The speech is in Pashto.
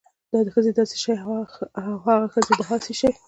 دا ښځې د داسې شی او هاغه ښځې د هاسې شی